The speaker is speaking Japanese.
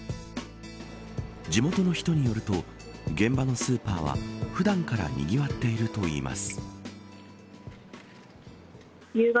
地元の人によると現場のスーパーは普段からにぎわっているといいます。